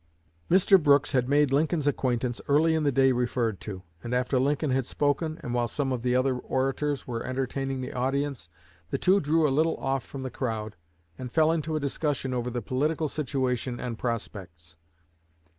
Mr. Brooks had made Lincoln's acquaintance early in the day referred to; and after Lincoln had spoken, and while some of the other orators were entertaining the audience, the two drew a little off from the crowd and fell into a discussion over the political situation and prospects.